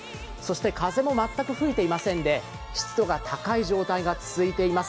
風も全く吹いていませんで湿度が高い状態が続いています。